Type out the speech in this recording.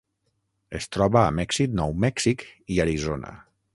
Es troba a Mèxic, Nou Mèxic i Arizona.